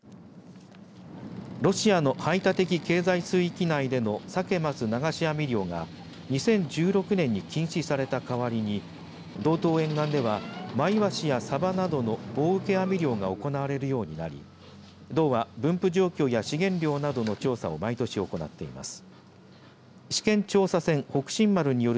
ロシアの排他的経済水域内でのサケマス流し網漁が２０１６年に禁止された代わりに道東沿岸ではマイワシやサバなどのを棒受け網漁が行われるようになり道は、分布状況や資源量などの調査を毎年行っています。